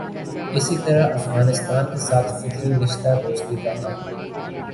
اسی طرح افغانستان کے ساتھ فطری رشتہ دوستی کا ہے۔